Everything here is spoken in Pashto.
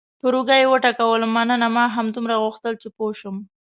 پر اوږه یې وټکولم: مننه، ما همدومره غوښتل چې پوه شم.